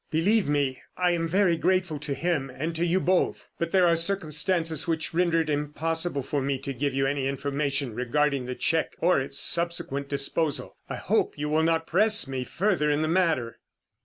Believe me, I am very grateful to him and to you both; but there are circumstances which render it impossible for me to give you any information regarding the cheque or its subsequent disposal. I hope you will not press me further in the matter."